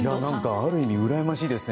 ある意味うらやましいですね。